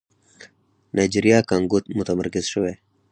نایجيريا کانګو متمرکز شوی.